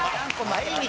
毎日。